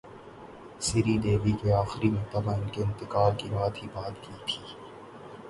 سری دیوی سے اخری مرتبہ انکے انتقال کی رات ہی بات کی تھی